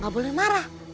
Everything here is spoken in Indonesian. gak boleh marah